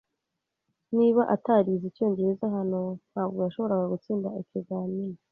Niba atarize icyongereza hano, ntabwo yashoboraga gutsinda ikizamini.